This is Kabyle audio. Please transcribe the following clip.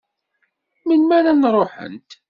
Melmi ara n-ruḥent?